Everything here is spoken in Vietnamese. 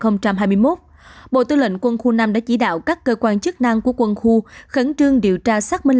năm hai nghìn hai mươi một bộ tư lệnh quân khu năm đã chỉ đạo các cơ quan chức năng của quân khu khấn trương điều tra xác minh